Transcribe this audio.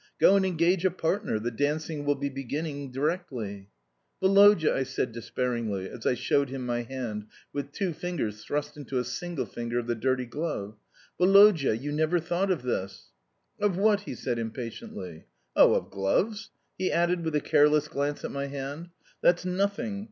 "Go and engage a partner. The dancing will be beginning directly." "Woloda," I said despairingly, as I showed him my hand with two fingers thrust into a single finger of the dirty glove, "Woloda, you, never thought of this." "Of what?" he said impatiently. "Oh, of gloves," he added with a careless glance at my hand. "That's nothing.